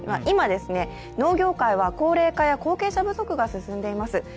今、農業界は高齢化や後継者不足が進んでいます。